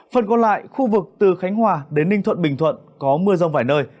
phần còn lại khu vực từ khánh hòa đến ninh thuận bình thuận có mưa rông vài nơi